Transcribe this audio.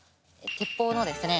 鉄砲のですね